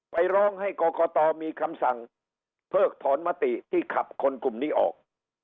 ร้องให้กรกตมีคำสั่งเพิกถอนมติที่ขับคนกลุ่มนี้ออก